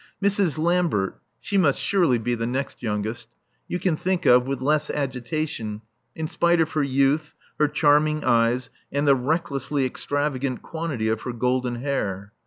Mrs. Lambert (she must surely be the next youngest) you can think of with less agitation, in spite of her youth, her charming eyes and the recklessly extravagant quantity of her golden hair.